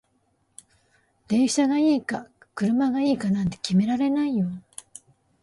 電車がいいか車がいいかなんて決められないよ